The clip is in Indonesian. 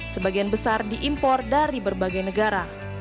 sebagian besar diimpor dari berbagai negara